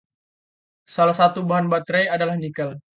Salah satu bahan baterai adalah nikel.